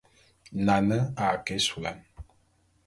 Nane a ke ésulán.